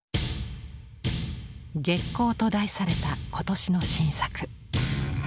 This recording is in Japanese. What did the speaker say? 「月光」と題された今年の新作。